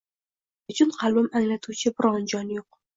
Nechun qalbim anglaguvchi biron jon yoʼq